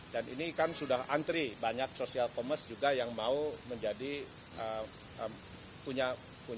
dan ini kan sudah antri banyak social commerce juga yang mau menjadi punya e commerce